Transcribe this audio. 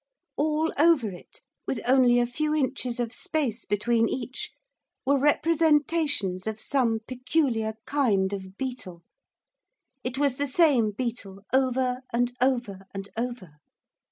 All over it, with only a few inches of space between each, were representations of some peculiar kind of beetle, it was the same beetle, over, and over, and over.